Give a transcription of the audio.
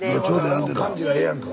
あの感じがええやんか。